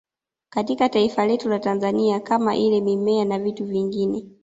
Katika taifa letu la Tanzania kama ile mimea na vitu vingine